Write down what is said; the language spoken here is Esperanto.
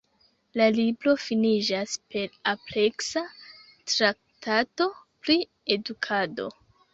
La libro finiĝas per ampleksa traktato pri edukado.